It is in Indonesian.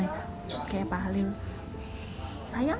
sayang banget sama ibu sama anak